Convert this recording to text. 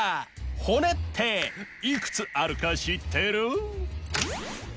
骨っていくつあるかしってる？